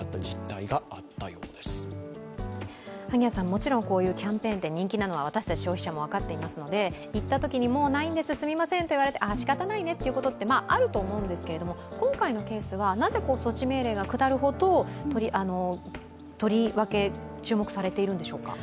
もちろんこういうキャンペーンで人気なのは私たち消費者も分かっていますので、行ったときにもうないんです、すみませんと言われたときに、ああしかたないねということってあると思うんですけど今回のケースは、なぜ措置命令が下るほど、とりわけ注目されているんでしょうか？